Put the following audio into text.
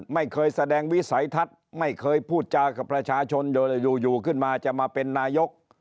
ไม่เคยแสดงวิสัยทัศน์ไม่เคยพูดจากับประชาชนอยู่ขึ้นมาจะมาเป็นนายก